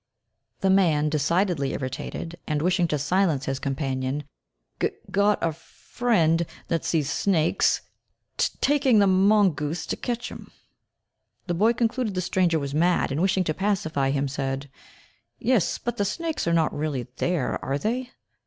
The man, decidedly irritated, and wishing to silence his companion, "G got a f friend that sees snakes, t taking the m mongoose to catch 'em." The boy concluded the stranger was mad, and wishing to pacify him, said "Yes, but the snakes are not really there, are they?"